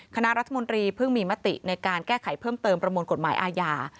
คณะรัฐมนตรีเพิ่งมีมติในการแก้ไขเพิ่มเติมประมวลกฎหมายอาญา